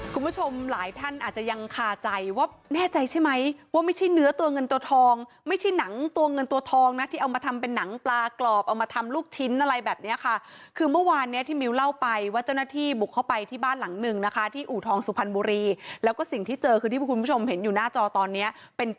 คุณผู้ชมหลายท่านอาจจะยังคาใจว่าแน่ใจใช่ไหมว่าไม่ใช่เนื้อตัวเงินตัวทองไม่ใช่หนังตัวเงินตัวทองนะที่เอามาทำเป็นหนังปลากรอบเอามาทำลูกชิ้นอะไรแบบเนี้ยค่ะคือเมื่อวานเนี้ยที่มิวเล่าไปว่าเจ้าหน้าที่บุกเข้าไปที่บ้านหลังหนึ่งนะคะที่อู่ทองสุพรรณบุรีแล้วก็สิ่งที่เจอคือที่คุณผู้ชมเห็นอยู่หน้าจอตอนนี้เป็น